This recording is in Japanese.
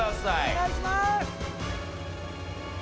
お願いします！